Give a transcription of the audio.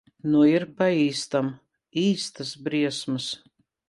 Nu ir pa īstam. Īstas briesmas.